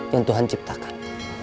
yang tuhan ciptakan